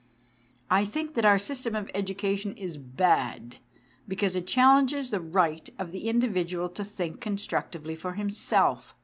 I think that our system of education is bad, because it challenges the right of the indi vidual to think constructively for himself.